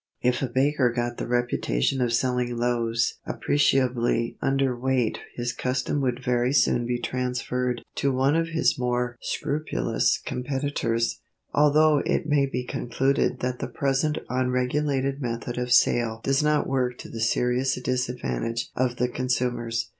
If a baker got the reputation of selling loaves appreciably under weight his custom would very soon be transferred to one of his more scrupulous competitors. Altogether it may be concluded that the present unregulated method of sale does not work to the serious disadvantage of the consumers.